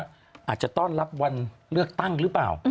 อาจจะต้อนรับวันเลือกตั้งหรือเปล่า